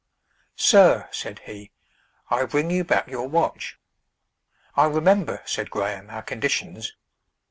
"Sir," said he, "I bring you back your watch." "I remember," said Graham, "our conditions.